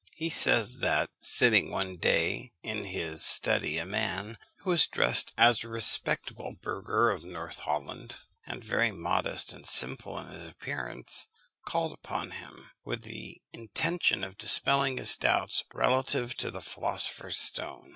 He says, that, sitting one day in his study, a man, who was dressed as a respectable burgher of North Holland, and very modest and simple in his appearance, called upon him, with the intention of dispelling his doubts relative to the philosopher's stone.